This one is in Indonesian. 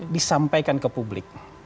disampaikan ke publik